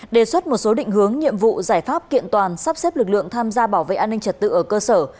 đề xuất một số định hướng nhiệm vụ giải pháp kiện toàn sắp xếp lực lượng tham gia bảo vệ an ninh trật tự ở cơ sở